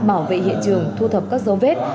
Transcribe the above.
bảo vệ hiện trường thu thập các dấu vết